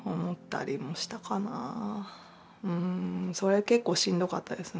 それは結構しんどかったですね。